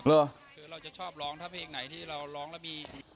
คือเราจะชอบร้องถ้าเพลงไหนที่เราร้องแล้วมี